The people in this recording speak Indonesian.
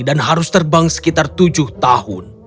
dan harus terbang sekitar tujuh tahun